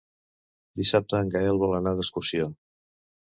Dissabte en Gaël vol anar d'excursió.